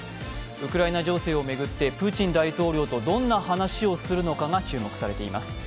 ウクライナ情勢を巡ってプーチン大統領とどんな話をするのかが注目されています。